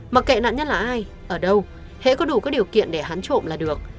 mà kệ nạn nhân là ai ở đâu hãy có đủ các điều kiện để hắn trộm là được